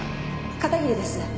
片桐です。